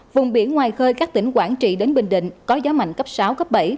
vùng biển ngoài khơi các tỉnh quảng trị đến bình định có gió mạnh cấp sáu cấp bảy